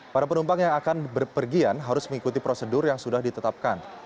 para penumpang yang akan berpergian harus mengikuti prosedur yang sudah ditetapkan